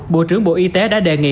bộ trưởng bộ y tế đã đề nghị